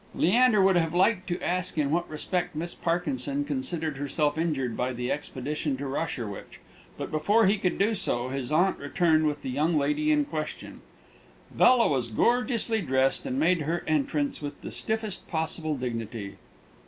Leander would have liked to ask in what respect Miss Parkinson considered herself injured by the expedition to Rosherwich; but, before he could do so, his aunt returned with the young lady in question. Bella was gorgeously dressed, and made her entrance with the stiffest possible dignity.